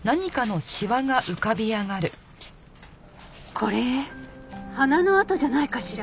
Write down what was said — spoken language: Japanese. これ鼻の跡じゃないかしら？